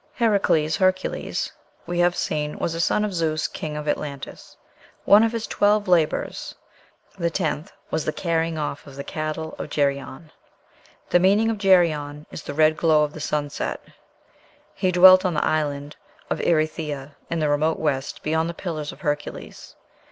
Heracles (Hercules), we have seen, was a son of Zeus, king of Atlantis. One of his twelve labors (the tenth) was the carrying off the cattle of Geryon. The meaning of Geryon is "the red glow of the sunset." He dwelt on the island of "Erythea, in the remote west, beyond the Pillars of Hercules."